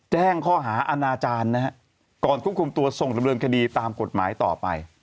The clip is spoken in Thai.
แจ้งข้อหาอาณาจารย์นะฮะก่อนควบคุมตัวส่งดำเนินคดีตามกฎหมายต่อไป